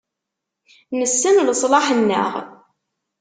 Nessen leṣlaḥ-nneɣ.